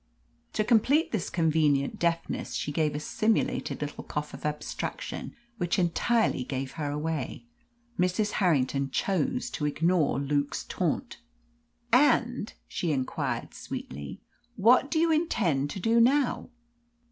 To complete this convenient deafness she gave a simulated little cough of abstraction, which entirely gave her away. Mrs. Harrington chose to ignore Luke's taunt. "And," she inquired sweetly, "what do you intend to do now?"